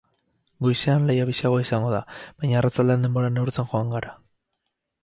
Goizean lehia biziagoa izan da, baina arratsaldean denbora neurtzen joan gara.